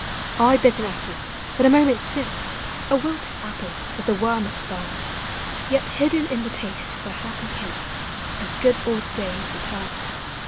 I bit an apple but a moment since, — A wilted apple that the worm had spurned, — Yet hidden in the taste were happy hiuts Of good old days returned.